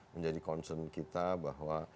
menjadi concern kita bahwa